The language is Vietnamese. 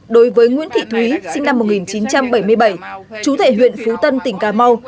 đối với nguyễn thị thúy sinh năm một nghìn chín trăm bảy mươi bảy chú thể huyện phú tân tỉnh cà mau